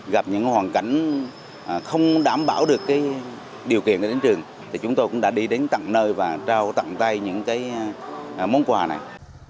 gặp những hoàn cảnh không đảm bảo được điều kiện để đến trường chúng tôi cũng đã đi đến tặng nơi và trao tặng tay những món quà này